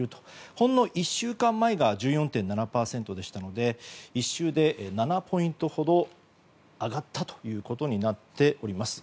ほんの１週間前が１４．７％でしたので１週で７ポイントほど上がったということになっております。